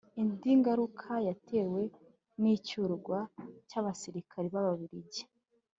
indi ngaruka yatewe n'icyurwa ry'abasirikari b'ababiligi